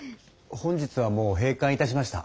本日はもう閉館いたしました。